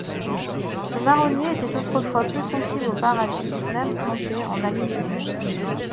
Le marronnier était autrefois peu sensible aux parasites, même planté en alignement.